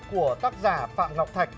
của tác giả phạm ngọc thạch